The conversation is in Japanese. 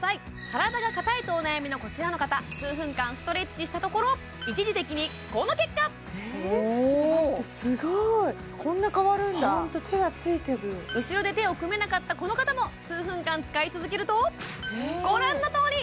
体が硬いとお悩みのこちらの方数分間ストレッチしたところ一時的にこの結果！ちょっと待ってすごーいこんな変わるんだホント手がついてる後ろで手を組めなかったこの方も数分間使い続けるとご覧のとおり！